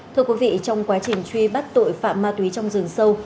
thưa quý vị trong quá trình truy bắt tội phạm ma túy trong rừng sâu